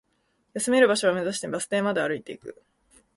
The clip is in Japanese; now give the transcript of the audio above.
休める場所を目指して、バス停まで歩いていく